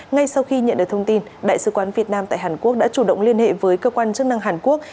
ngay sau khi nhận được thông tin đại sứ quán việt nam tại hàn quốc đã chủ động liên hệ với cơ quan chức năng hàn quốc